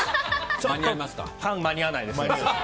パンは間に合わないです。